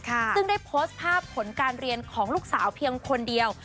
ซึ่งได้โพสต์ภาพผลการเรียนของลูกสาวเพียงคนเดียว